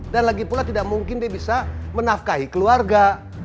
dan lagi pula tidak mungkin dia bisa menafkahi keluarga